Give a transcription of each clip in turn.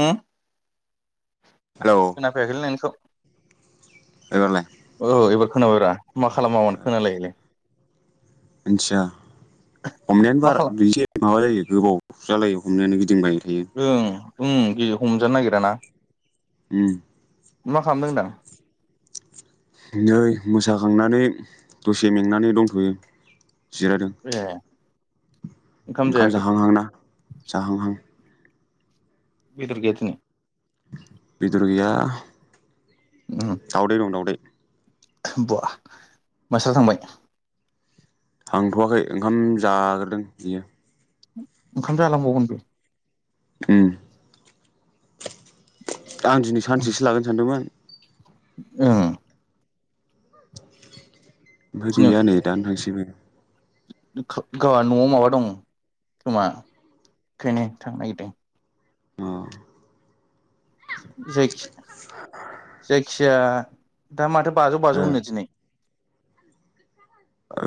उम हेलौ खोनाफैयाखैलै नोंनिखौ। एबारलाय? औ एबार खोनाबायब्रा मा खालामामोन खोनालायैलाय? मोनथिया हमनायानो मा बार खालाम बैजे माबा जायो गोबाव जालायो हमनायानो गिद गिदिंबाय थायो। उम गि हमजानो नागिर ना उम। मा खालामदों होनदां? नै मोसाखांनानै दसे मेंनानै दंथ'यो। जिरायदों। ए ओंखाम जाहांहांना जाहांहां। बेदर गैया दिनै? बेदर गैया। उम दावदै दं दावदै। बा मासथारा थांबाय? थांथ'वाखै ओंखाम जाग्रोदों बियो। ओंखाम जालांबावगोन बे? उम। आं दिनै सानसेसो लागोन सानदोंमोन। उम। ओमफ्राय गैया नै दानो थांसैबो। खा गावहा न'आव माबा दं खोमा? ओंखायनो थांनो नागिरदों। अ जायखि जायखि जाया दा माथो बाजौ बाजौ नो दिनै।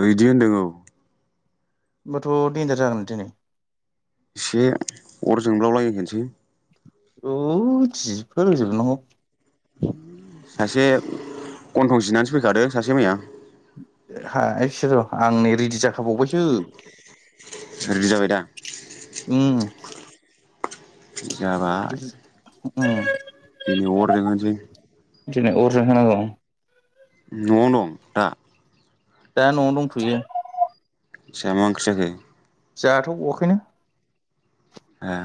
बिदि होनदों औ। होमबाथ' देनजार जागोन दिनै। एसे अर जोंब्लाब लायहोनसै। औ जिफोर होजोबनांगौ। सासे गन्थं जिनानैसो फैखादो सासे मैया। हा इसे र' आं नै रेडि जाखाबावबायसो। रेदि जाबाय दा? उम जाबाय। उम। दिनै अर जोंहोनोसै दिनै अरजों होनांगौ। नआव दं दा? दा नवावनो दंथयो। मा ओंख्रि जाखो? जाथ' बावाखैनो। ए।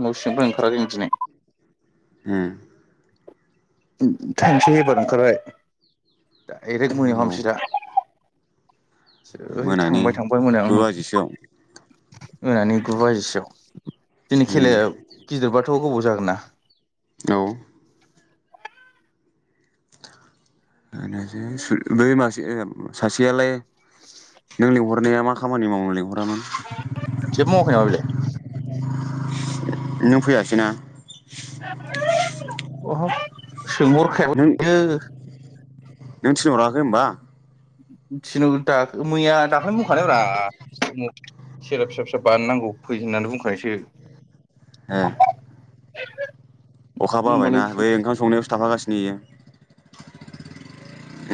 न' सिंनिफ्राय ओंखाराख जों दिनै। ए। टाइमसो हबा ओंखारबाय रेक महै औ हामसि दा जै मोनानि थांबाय थांबाय गु मोनायाव आं बाजिसोआव मोनानि गु बाजिसोआव दिनै उम खेलाया गिदिरबाथ' गोबाव जागोन ना? औ नायनायसै सै बै मासे सासेयालाय नों लिंहरनाया मा खामानि मावनो लिंहरामोन? जेबो मावाखै नामा बेलाय? नों फैयासै ना? अह नों सोंहरखायाखैनो। नों थिनहराखै होनबा? थिनहर दाख मैया दाखालिनो बुंखानाय ब्रा। [unintelligible] फिसा फिसा बानायनांगौ फै होननानै बुंखानायसो। ह अखाबो होमबालाय हाबायना बै फैसै ओंखाम संनायावसो थाफागासिनो इयो।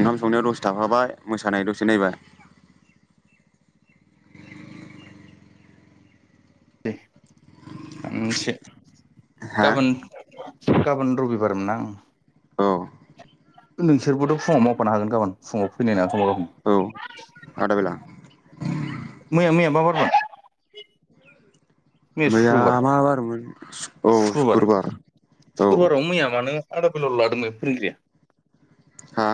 ओंखाम संनायाव दसे थाफाबाय मोसानाय दसे नायबाय। दे [unintelligible] हा गाबोन गाबोन रबिबारमोन ना ओ। औ नोंसोरबोथ' फुङाव मावफानो हागोन गाबोन फुङाव फैनाय नङा खोमा गामोन। आदाबेला मैया मैया मा बारमोन? मैया सुक्रुबार मा बारमोन सुक्रुबार औ सुक्रुबारावनो मैया मानो आदाबेलाल' लादों बेलाय फोरोंगिरिया। हा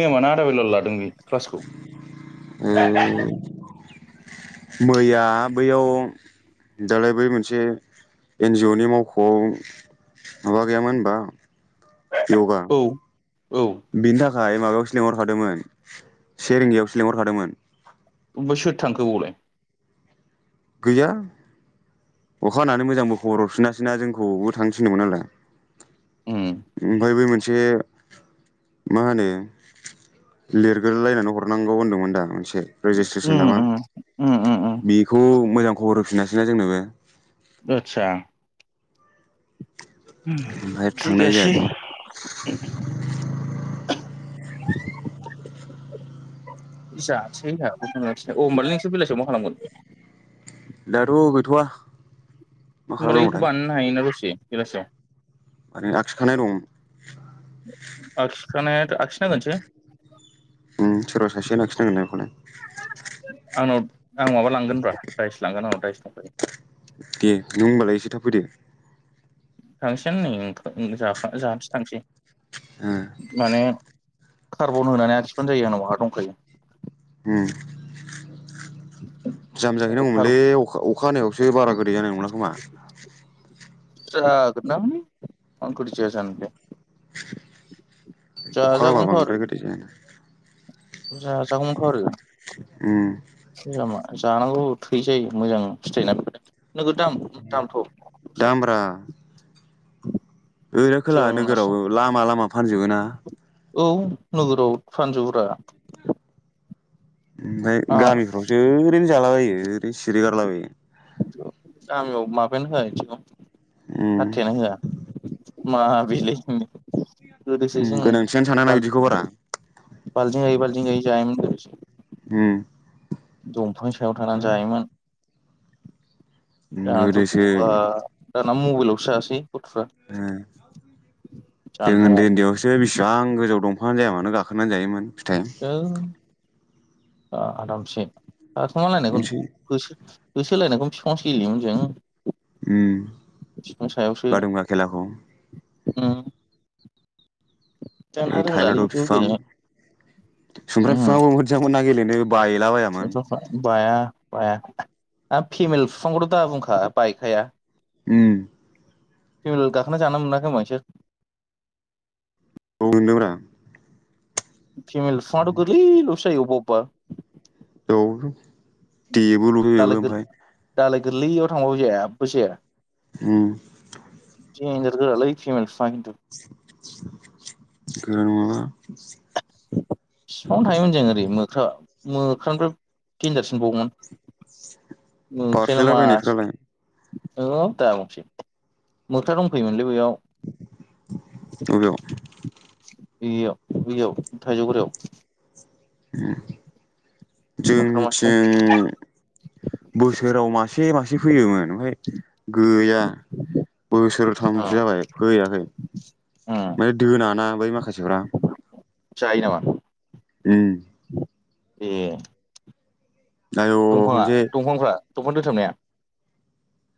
मैया मानो आदाबेलाल' लादों बे क्लासखौ। ओ मैया बैयाव दालाय बै मोनसे एन जि अ नि मावख'आव माबा गैयामोन होनबा। बेयावबा औ औ बिनि थाखाय खाय माबायावसो लिंहरखादोंमोन से रिंगायावसो लिंहरखादोंमोन। अमफाय सोर थांखो बावलाय? गैया अखा हानानै मोजांबो खबर हरफिनासैना जोंखौबो थांनो थिनदोंमोन नालाय। उम ओमफ्राय बै मोनसे मा होनो लिरगोरलायनानै हरनांगौ होनदोंमोन दा मोनसे। रेजिसट्रेसन ना उम मा उम उम उम उम बेखौ मोजां खबर होफिनासैना जोंनोबो। आतसा ओमफ्राय थिग थांनाय आसे। जायाखै [inaudible] जासै आसै औ होनबालाय नोंसोर बेलासियाव मा खालामगोन? दाथ' गैथ'आ। होमबालाय बेखौ बानायनो हायो ना दसे बेलासिआव। ओरैनो आखिखानाय दं। आखिखानायाथ' आखिनांगोनसो। उम सोरबा सासेयानो आखिनांगोन ना बेखौलाय। आंनाव आं माबा लांगोन ब्रा दाइस लांगोन आंनाव दाइस दंखायो। दे नों होमबालाय एसे थाब फैदो। थांसैआनो नै ओंखा ओं जाखां जानोसै थांसै ओ बानायगोन। कार्बन होनानै आखिबान जायो आंनावहा दंखायो। हम जाम कार्बन जाहैनांगौमोनलै अखा अखा हानायावसो बारा गोदै जानाय नंला खोमा। जागोनदां मान गोदै जाया जानो बेलाय। अखा हाबा बांद्राय गोदै जायाना। जाजागौमोन्थ' आरो। उम जामा जानांगौ थै जायो मोजां फिथाइ ना बेफोरो नोगोद दाम दामथ' सोब दामब्रा ओरै खोलाहा नोगोराव लामा लामा फानजोबो ना औ नोगोराव फानजोबोब्रा ओमफ्राय गामिफ्रावसो ओरैनो जालाबायो ओरैनो सिरिगारलाबायो गामिआव माबायानो होआ बिदिखौ उम फाथ्थायानो होआ मा बिलाय होनो गोदोसो उम जों गोनांथियानो सानाना बिदिखौ बारा बाल्टिं गायै बाल्टिं गायै जायोमोन उम दंफांनि सायाव थानानै जायोमोन दाथ' गोदोसो बहा दाना मबाइलसो जासै गथ'फ्रा उम जों उन्दै जानबुंआव उन्दैयावसो बेसिबां गोजौ दं फांआनो जाया मानो गाखोना जायोमोन फिथाइ थोय आरामसे थाखोमालायनायखौ मोनसै होसोलायनायखौनो बिफांआवसो गेयोमोन जों उम बिफां सायावसो बादुंगा खेलाखौ उम दाना ओइ रोंलालै थायलाद' बिदिखौ बिफां गेलेनो सुमफ्राम बिफांआबो मोजांमोन ना गेलेनो बायलाबायामोन सथ बाया बाया आ फिमेल बिफांखौथ' दा बुंखा बायखाया उम फेमेल गाखोना जानो मोनाखै खोमा नोंसोर औ मोनदोंब्रा फिमेल बिफांआथ' गोलैल'सो जायो अबबा अबबा औ देबोलुजोबो दालाय गोर ओमफ्राय दालाय गोरलैयाव थांबाबो जेबो जाया उम देनजार गोरालै फिमेल फि गोरा नङाबा बिफांआव थायोमोन जों ओरै मोख्रा मोख्रानिफ्राय देनजारसिनबावमोन मोख्रायालाय मासि बारसोलाबायनायफ्रालाय औ दाबुंसै मोख्रा दंफैयोमोनलै बैयाव अ'बेयाव बेयाव बैयाव थाइजौगुरियाव उम मोख्रा मासे जोंनिथिं बोसोराव मासे मासे फैयोमोन ओमफ्राय गैया दंफां बोसोरथामसो जाबाय फैयाखै उम ओमफ्राय दोनाना बै माखासेफ्रा जायो नामा? उम ए आयौ दंफाङा खनसे दंफांफ्रा दंफां दोथाबनाया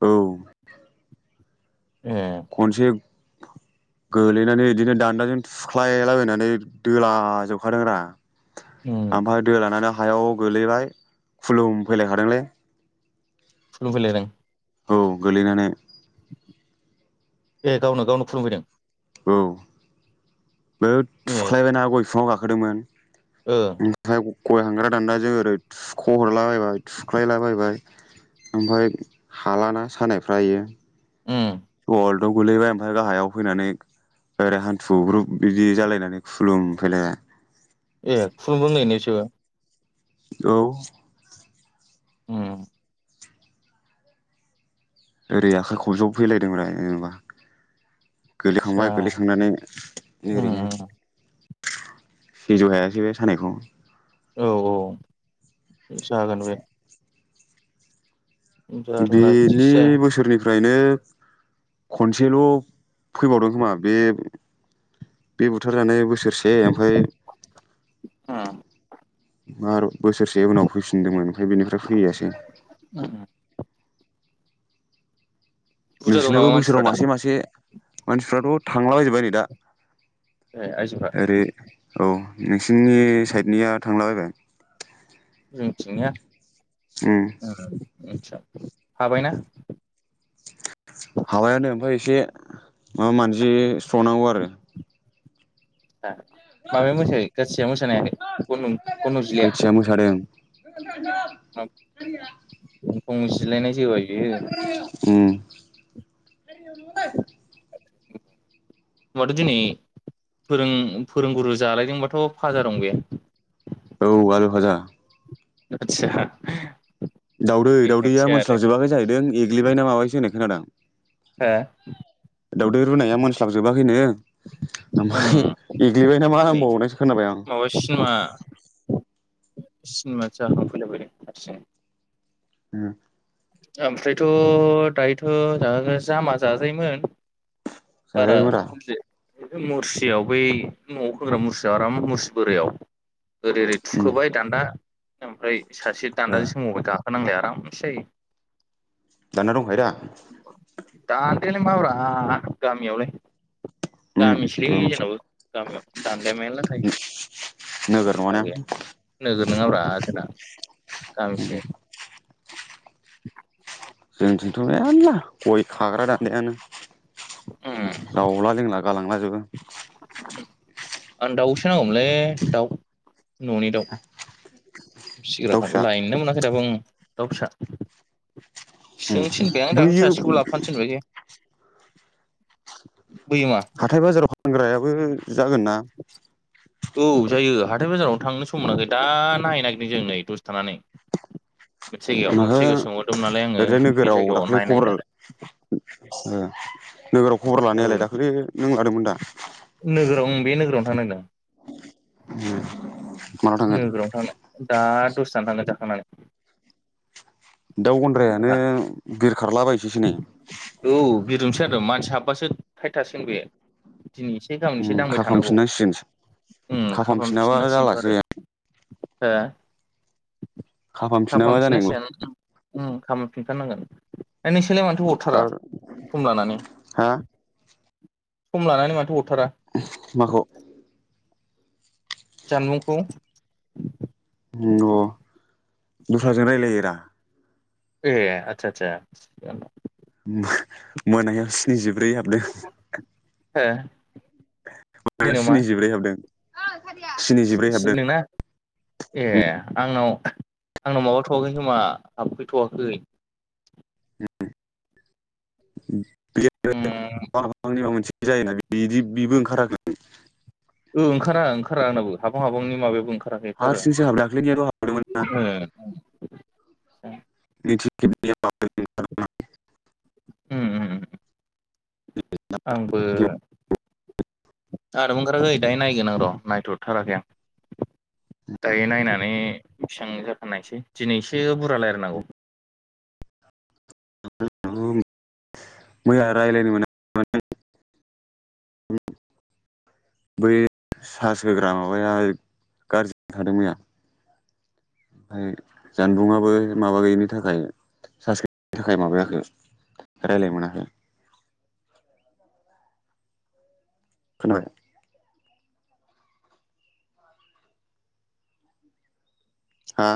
औ ए खनसे [inaudible] गोलैनानै बिदिनो दान्दाजों थुख्लायलाबायनानै दोला जोबखादों रा उम ओमफ्राय दोलानानै हायाव गोलैबाय खुलुमफैलायखादोंलै खुलुमफैलायदों औ गोलैनानै, ए गावनो गावनो खुलुमफैदों, औ बे ए थुख्लायबायना गय बिफाङाव गाखोदोंमोन, ओ ओमफ्राय गय हांग्रा दानदाजों ओरै थुख' हरलाबायबाय थुख्लायलाबायबाय, ओमफाय हालाना सानायफ्रा इयो उम जलदब' गोलैबाय ओमफ्राय गाहायाव फैनानै, ओरै हान्थुग्रुुब बिदि जालायनानै खुलुमफैलायबाय ए खुलुमनो रोंलायोना बिसोरबो, औ उम ओरै आखाइ खबजबफैलायदोंब्रा जेनेबा, आदसा गोलैखांबाय गोलैखांनानै ओरैनो, उम सैजहायाबे सानायखौ औ औ जागोन बे, जारला बेनि बिदिसो जाया बोसोरनिफ्रायनो, खनसेल' फैबावदों खोमा बे [unintelligible] बुथार जानाय बोसोरसे ओमफाय, उम मार' बोसोरसे उनाव फैफिनदोंमोन ओमफ्राय बेनिफ्राय फैयासै, उम बुरजा दं नोंसिनाबो नामा बोसोराव मानसिफ्रा दा मासे मासे, मानसिफ्राथ' थांलाबायजोबबाय नै दा ए आइजोफ्रा ओरै औ हारसिंयै साइडनिया थांलाबायबाय, जोंथिंनिया उम ओ मिन्थिया, हाबायना? मा मानजि स्रनांगौ आरो माबाया मोसायो गासिया मोसानो हायाखै गन गनथंजिलाया गोथिया मोसादों [unintelligible] गंजिलायनाय उम माथो दिनै फोरों फोरोंगुरु जालायदोंबाथ' फाजा दं बे औ आलु फाजा आदसा दावदै दावदैया बेखायनोसै आरो मोनस्लाब जोबाखै जाहैदों एग्लिबायना माबायसो होनाय खोनादां हा दाउदै रुनाया मोनानस्लाबजोबाखैनो ओं ओमफ्राय एग्लिबाय नामा होनबावनायसो खोनाबाय आं मा सिनिमा जाखां फोला बायदों हारसिं ओम ओमफ्रायथ' दायोथ' [unintelligible] जामा जाजायोमोन, बारा जाजायोब्रा खमसे मुरसियाव बै न'आव खोंग्रा मुरसियाव आराम मुरसि बोराइयाव, ओरै ओरै उम थुखोबाय दान्दा ओमफ्राय सासे ओ दान्दाजों सोमावबाय गाखोनांलाया आरामसे जायो। दाना दंखायो दा? दागायालाय मा ब्रा गामियावलाय, उम गामिसोलै बेबो मोनसे जोंनाबो गामियाव दान्दाया मेरला थायो। नोगोर सिन्था नङाना गैया नोगोर नङाब्रा जोंना, उम गांसे जोंथिंथ' मेरला गय खाग्रा दान्दायानो उम दावला जोंना, गालांला जोबो आं दाउसो नांगौमोनलै दाउ न'नि दाउ दाउ फिसिग्राखौ फिसा लायनोनो मोनाखै दाबो दाउ फिसा उम सोंनो थिनबाय आं दाखोलै बैयो सासेखौ लाफानोफिनबायस बोयोमा हाथाय बाजाराव फानग्रायाबो जागोन ना औ जायो ह हााथाय बाजाराव थांनो सम मोनाखै दा नायहैनो नागिरदों जों नै दसे थानानै मोनसे जायगायाव माथो मोनसे जायगायाव सोंहरदोंमोन नालाय आङो ओरैजाय बे नोगोराव जायगायाव दाख्लै नायनो नागिरदों खबरल ओ नोगोराव खबर आरो लानायालाय औ दाखालि नों लादोंमोन दा आंनो दा [inaudible] नोगोरावनो थांनो दा दसे थाना थांखाजाखांनानै दाउ गन्द्रायानो बिरखारलाबाय औ बिदिनोसै आरो मानसि हाबबासो फाइथारसिगोन बेयो दिनै एसे गाबोन एसे उम दांबाय थानांगौ खाफामफिननांसिगोनसो खालाम खाफामफिनाबा फिननांसिगनथ' जालासो आरो बे हो खाफामफिनाबा जानाय नंला खाफामफिननांसिगोन बिफां होगोननांगोन नोंसोरलाय होरलाय माथो हरथारा आरो खम लानानै हा सम लानानै माथो हरथारा माखौ जानमुंखौ ओम अ दस्राजों रायलायो ए आतसा आतसा मोनायाव स्निजिब्रै हाबदों [unintelligible] मा स्निजिब्रै हाबदों स्निजिब्रै सिस्न सो हाबदों धोंना ए आंनाव आंनाव माबाथ'वाखै होनोमा हाबफैथ'वाखै ओम उम ओम नि माबा मोनसे जायोना बिदि बेबो ओंखाराखै ओंखारा ओंखारा आंनाववो हाबां हाबांनि माबायाबो ओंखारा हारसिंसो [inaudible] हाबदों दाख्लैनियाथ' हाबदोंमोन ना जि बे [inaudible] ओम ओम आंबो आंनाबो ओंखाराखै दायो नायगोन आं र' नायथ'द थाराखै आं दायो नायनानै बेसेबां जाथारनायसै दिनैसो एसे बुरजा रायलायनांगौ न [inaudible] [unintelligible] बै सार्स होग्रा माबाया गाज्रि थादों मैया ओमफ्राय जानबुंआबो माबा गैयिनि थाखाय सार्स गैयैनि थाखाय माबायाखै रायलायनो मोनाखै खोनाबाय हा